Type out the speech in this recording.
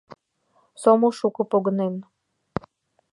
Сомыл шуко погынен.